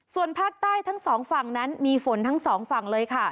ส่วนภาคใต้ทั้งสองฝั่งนั้นมีฝนทั้งสองฝั่งเลยค่ะ